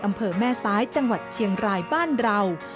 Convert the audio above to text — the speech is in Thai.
อำเภอแม่ซ้ายจังหวัดเชียงรายบ้านเรา